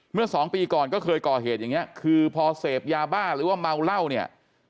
เมื่อสองปีก่อนก็เคยก่อเหตุอย่างนี้คือพอเสพยาบ้าหรือว่าเมาเหล้าเนี่ย